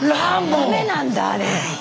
ダメなんだあれ。